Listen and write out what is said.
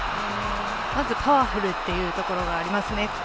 まずパワフルというところがありますね。